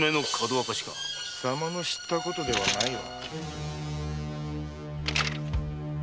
貴様の知ったことではないわ。